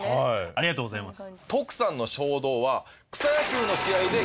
ありがとうございます。